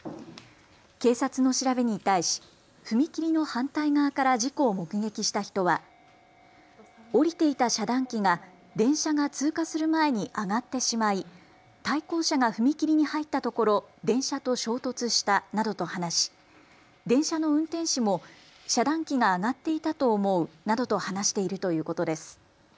警察の調べに対し踏切の反対側から事故を目撃した人は下りていた遮断機が電車が通過する前に上がってしまい、対向車が踏切に入ったところ電車と衝突したなどと話し電車の運転士も遮断機が上がっていたと思うなどと話しているということです。